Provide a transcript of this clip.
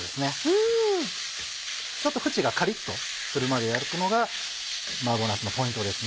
ちょっと縁がカリっとするまで焼くのが麻婆なすのポイントです。